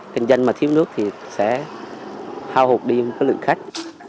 kinh doanh mà thiếu nước thì sẽ hao hụt đi cái lượng khách